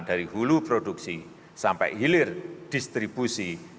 dari hulu produksi sampai hilir distribusi